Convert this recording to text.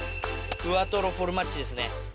クアトロフォルマッジですね。